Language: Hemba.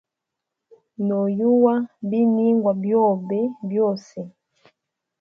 No yuwa biningwa byobe byose.